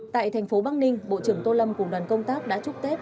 tại tp bắc ninh bộ trưởng tô lâm cùng đoàn công tác đã chúc tết